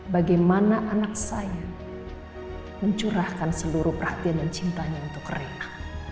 bagaimana anak saya mencurahkan seluruh perhatian dan cintanya untuk mereka